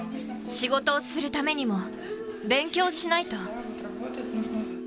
仕事をするためにも、勉強しないと。